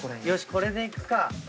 これでいくか。